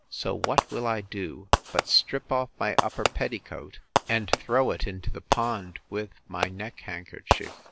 So what will I do, but strip off my upper petticoat, and throw it into the pond, with my neckhandkerchief!